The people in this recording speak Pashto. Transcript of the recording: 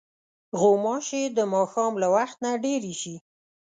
غوماشې د ماښام له وخت نه ډېرې شي.